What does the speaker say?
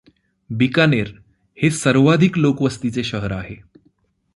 बिकानेर हे सर्वाधिक लोकवस्तीचे शहर आहे.